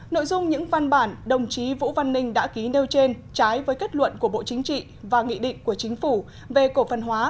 nội dung những văn bản đồng chí vũ văn ninh đã ký nêu trên trái với kết luận của bộ chính trị và nghị định của chính phủ về cổ phần hóa